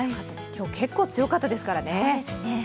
今日、結構強かったですからね。